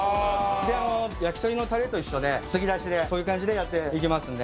焼き鳥のタレと一緒で、継ぎ足しで、そういう感じでやっていきますんで。